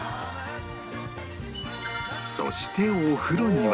そしてお風呂には